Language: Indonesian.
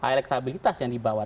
elektabilitas yang diperlukan